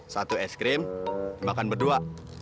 satu es krim makan berdua